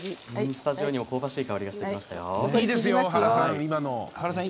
スタジオにも香ばしい香りがしてきました。